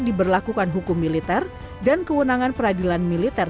diberlakukan hukum militer dan kewenangan peradilan militer